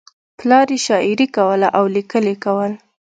پلار یې شاعري کوله او لیکل یې کول